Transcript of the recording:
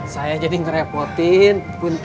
saya jadi ngerepotin